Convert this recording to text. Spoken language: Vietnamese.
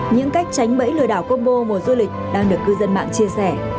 những cách tránh bẫy lừa đảo combo mùa du lịch đang được cư dân mạng chia sẻ